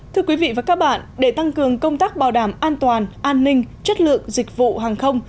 thưa quý vị và các bạn để tăng cường công tác bảo đảm an toàn an ninh chất lượng dịch vụ hàng không